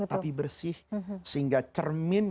tapi bersih sehingga cermin